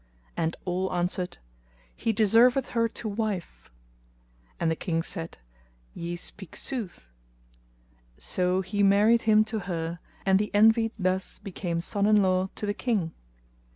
and all answered, "He deserveth her to wife;" and the King said, "Ye speak sooth!" So he married him to her and the Envied thus became son in law to the King.